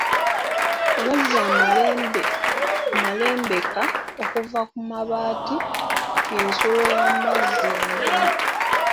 Amazzi amalembeka okuva ku mabaati y'ensulo ey'amazzi endala.